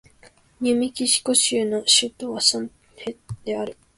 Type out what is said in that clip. ニューメキシコ州の州都はサンタフェである